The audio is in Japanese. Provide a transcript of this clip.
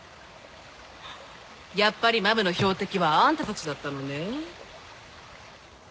やっぱりマムの標的はあんたたちだったのね。